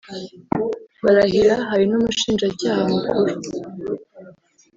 Barahira hari n’Umushinjacyaha Mukuru